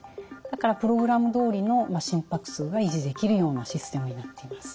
だからプログラムどおりの心拍数が維持できるようなシステムになっています。